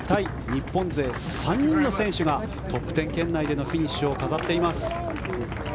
日本勢３人の選手がトップ１０圏内でのフィニッシュを飾っています。